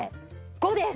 ５です